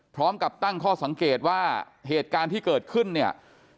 พร้อมกับตั้งข้อสังเกตว่าเหตุการณ์ที่เกิดขึ้นเนี่ย